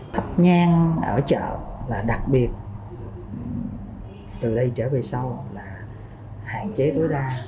thắp nhang ở chợ là đặc biệt từ đây trở về sau là hạn chế tối đa